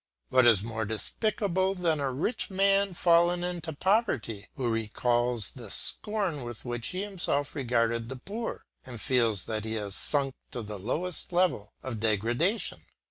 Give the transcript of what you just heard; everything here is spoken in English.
What is more despicable than a rich man fallen into poverty, who recalls the scorn with which he himself regarded the poor, and feels that he has sunk to the lowest depth of degradation?